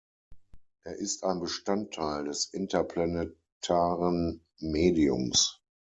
Er ist ein Bestandteil des interplanetaren Mediums.